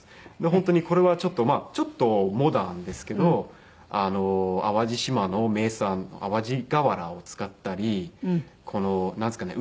本当にこれはちょっとちょっとモダンですけど淡路島の名産淡路瓦を使ったりこのなんですかね。